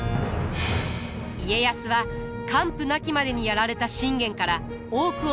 家康は完膚なきまでにやられた信玄から多くを学び取ります。